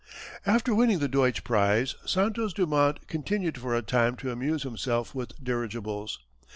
After winning the Deutsch prize, Santos Dumont continued for a time to amuse himself with dirigibles.